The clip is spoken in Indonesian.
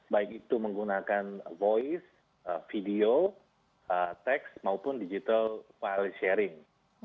baik itu menggunakan voice video teks maupun digital file sharing